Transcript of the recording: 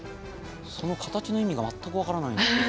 その形の意味が全く分からないんですけど。